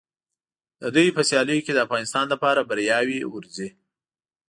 د دوی په سیالیو کې د افغانستان لپاره بریاوې ورځي.